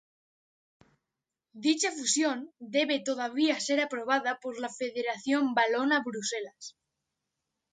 Dicha fusión debe todavía ser aprobada por la Federación Valona Bruselas.